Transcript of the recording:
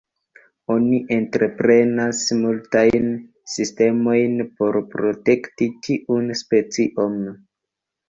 Oni entreprenas multajn sistemojn por protekti tiun specion.